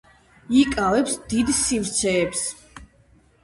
იკავებს დიდ სივრცეებს.